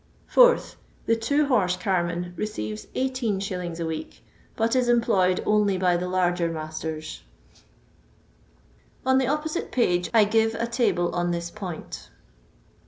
4th. The two horse carman receives IBs. weekly, but is employed only by the larger masters. On the opposite page I givo a table on this point.